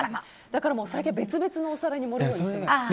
だから最近は別々のお皿に盛るようにしている。